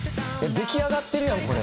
出来上がってるやんこれ。